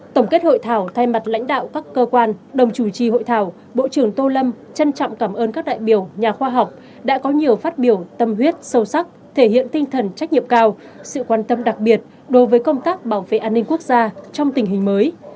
tổng kết hội thảo thay mặt lãnh đạo các cơ quan đồng chủ trì hội thảo bộ trưởng tô lâm trân trọng cảm ơn các đại biểu nhà khoa học đã có nhiều phát biểu tâm huyết sâu sắc thể hiện tinh thần trách nhiệm cao sự quan tâm đặc biệt đối với công tác bảo vệ an ninh quốc gia trong tình hình mới